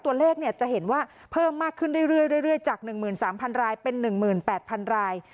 ตัวเลขเนี่ยจะเห็นว่าเพิ่มมากขึ้นเรื่อยเรื่อยเรื่อยจากหนึ่งหมื่นสามพันรายเป็นหนึ่งหมื่นแปดพันราย